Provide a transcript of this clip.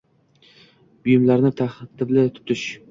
Buyumlarini tartibli tutish.